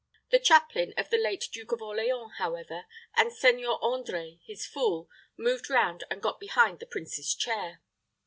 The chaplain of the late Duke of Orleans, however, and Seigneur André, his fool, moved round and got behind the prince's chair.